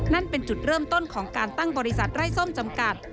นั่นเป็นจุดเริ่มต้นของการตั้งบริษัทไร้ส้มจำกัด